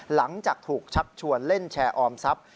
หลังจากถูกชักชวนเล่นแชร์ออมทรัพย์